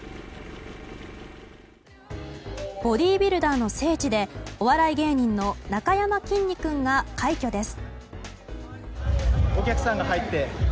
ボディービルダーの聖地でお笑い芸人のなかやまきんに君が快挙です。